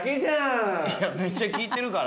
めっちゃ聞いてるから。